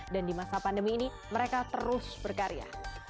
dan di masa pandemi ini mereka terus berkarya